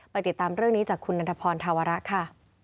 ติดตามเรื่องนี้จากคุณนันทพรธาวระค่ะ